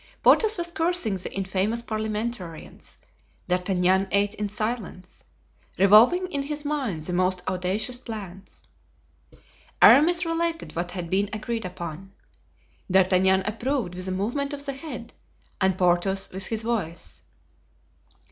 Porthos was cursing the infamous parliamentarians; D'Artagnan ate in silence, revolving in his mind the most audacious plans. Aramis related what had been agreed upon. D'Artagnan approved with a movement of the head and Porthos with his voice.